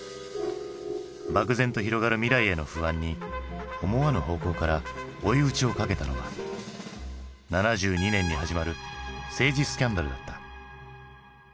漠然と広がる未来への不安に思わぬ方向から追い打ちをかけたのは７２年に始まる政治スキャンダルだった。